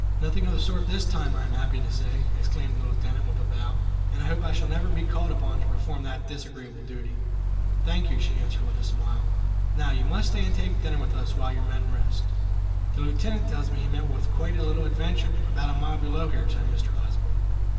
"Nothing of the sort this time, I am happy to say," exclaimed the Lieutenant, with a bow, "and I hope I shall never be called upon to perform that disagreeable duty." "Thank you," she answered, with a smile. "Now, you must stay and take dinner with us while your men rest." "The Lieutenant tells me he met with quite a little adventure, about a mile below here," said Mr. Osborne.